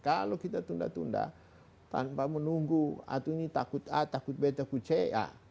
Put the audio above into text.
kalau kita tunda tunda tanpa menunggu atau ini takut a takut b takut c a